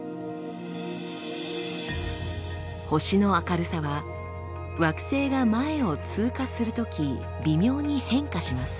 星の明るさは惑星が前を通過するとき微妙に変化します。